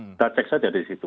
kita cek saja di situ